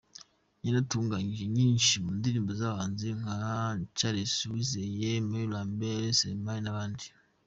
Yanatunganyije nyinshi mu ndirimbo z’abahanzi nka Charles Uwizeye, M-Lambert, Selemani n’abandi.